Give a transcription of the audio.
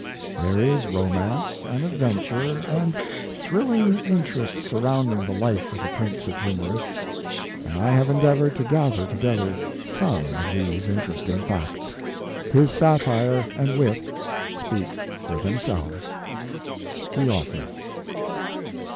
There is romance, and adven ture, and thrilling interest surrounding the life of the prince of humorists, and I have endeavored to gather together some of these interesting facts. His satire and wit speak for themselves. THE AUTHOR.